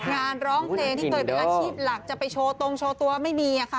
ร้องเพลงที่เคยเป็นอาชีพหลักจะไปโชว์ตรงโชว์ตัวไม่มีค่ะ